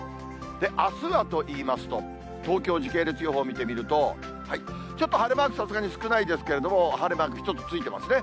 あすはといいますと、東京、時系列予報見てみると、ちょっと晴れマークさすがに少ないですけれども、晴れマーク一つついてますね。